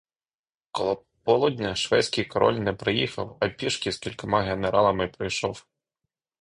Коло полудня шведський король не приїхав, а пішки з кількома генералами прийшов.